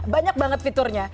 banyak banget fiturnya